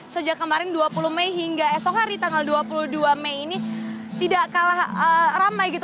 sejak kemarin dua puluh mei hingga esok hari tanggal dua puluh dua mei ini tidak kalah ramai gitu